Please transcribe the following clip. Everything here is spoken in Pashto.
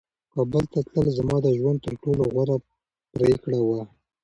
کابل ته تلل زما د ژوند تر ټولو غوره پرېکړه وه.